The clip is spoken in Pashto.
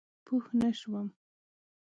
پوه نه شوم؟